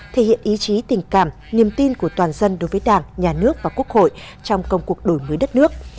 thể hiện ý chí tình cảm niềm tin của toàn dân đối với đảng nhà nước và quốc hội trong công cuộc đổi mới đất nước